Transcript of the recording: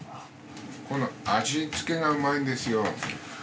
この味付けがうまいんですよ。